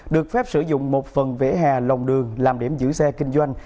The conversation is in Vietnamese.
được phép sử dụng một phần về doanh nghiệp